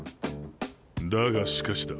だがしかしだ。